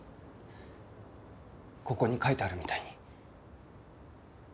ここに書いてあるみたいに。